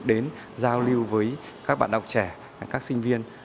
đến giao lưu với các bạn đọc trẻ các sinh viên